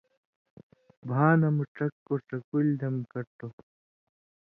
بھاں نہ ڇکو ڇکولیۡ دم کٹو